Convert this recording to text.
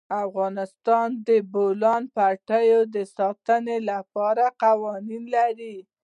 افغانستان د د بولان پټي د ساتنې لپاره قوانین لري.